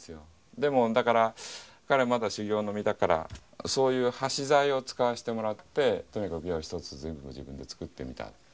でもだから彼はまだ修業の身だからそういう端材を使わせてもらってとにかく琵琶を一つ全部自分で作ってみた。